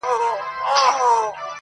سړیتوب کي دغه شان د مردانه دی,